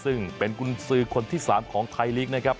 ซึ่งเป็นกุญสือคนที่๓ของไทยลีกนะครับ